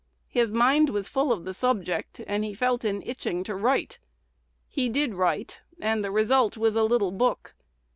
His mind was full of the subject, and he felt an itching to write. He did write, and the result was a "little book."